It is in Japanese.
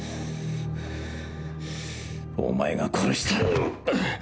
お前が殺した。